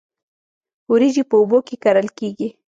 وریجې په اوبو کې کرل کیږي